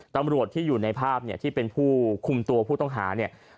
ตำรวจที่อยู่ในภาพเนี่ยที่เป็นผู้คุมตัวผู้ต้องหาเนี่ย